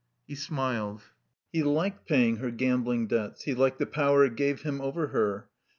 He smiled. He liked paying her gambling debts. He liked the power it gave him over her.